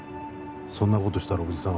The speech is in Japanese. そんなことしたらおじさんは